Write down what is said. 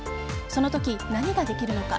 そのとき何ができるのか。